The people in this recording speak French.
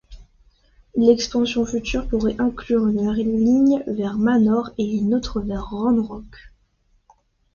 L'expansion future pourrait inclure une ligne vers Manor et une autre vers Round Rock.